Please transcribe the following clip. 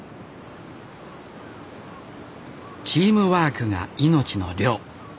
チームワークが命の漁。